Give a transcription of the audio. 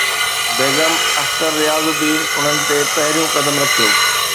بيگم Akhtar Riazuddin انهن تي پهريون قدم رکيو